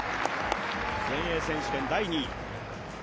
全英選手権第２位。